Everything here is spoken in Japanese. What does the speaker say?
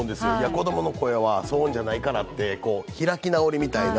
子供の声は騒音じゃないからという開き直りみたいな。